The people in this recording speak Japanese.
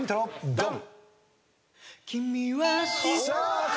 ドン！